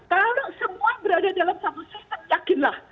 kalau semua berada dalam satu sistem yakinlah